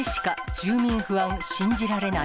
住民不安、信じられない。